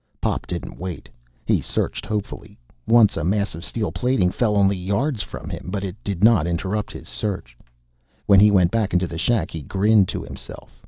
Pop didn't wait. He searched hopefully. Once a mass of steel plating fell only yards from him, but it did not interrupt his search. When he went into the shack, he grinned to himself.